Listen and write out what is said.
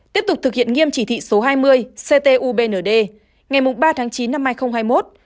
tiếp tục thực hiện nghiêm chỉ thị số hai mươi ctubnd ngày ba tháng chín năm hai nghìn hai mươi một